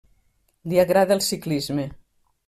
Li agrada el ciclisme.